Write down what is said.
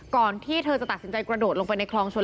ก่อนที่เธอจะตัดสินใจกระโดดลงไปในคลองชน